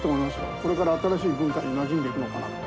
これから新しい文化になじんでいくのかなと。